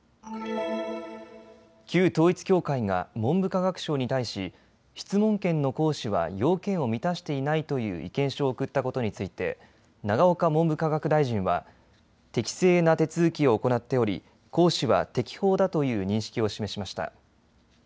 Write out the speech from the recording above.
旧統一教会が文部科学省に対し質問権の行使は要件を満たしていないという意見書を送ったことについて永岡文部科学大臣は適正な手続きを行っており行使は適法だという認識を示しました。